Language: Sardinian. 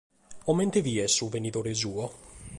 Comente bides su benidore suo?